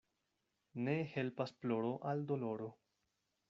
Ne helpas ploro al doloro.